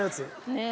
ねえ。